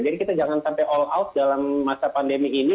jadi kita jangan sampai all out dalam masa pandemi ini